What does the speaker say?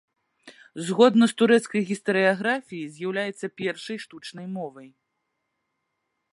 Згодна з турэцкай гістарыяграфіяй, з'яўляецца першай штучнай мовай.